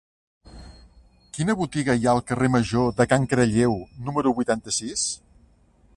Quina botiga hi ha al carrer Major de Can Caralleu número vuitanta-sis?